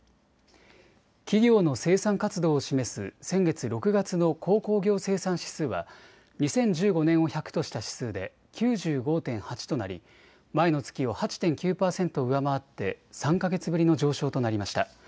企業の生産活動を示す先月６月の鉱工業生産指数は２０１５年を１００とした指数で９５．８となり前の月を８．９％上回って３か月ぶりの上昇となりました。